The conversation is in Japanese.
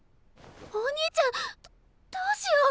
お兄ちゃんどうしよう！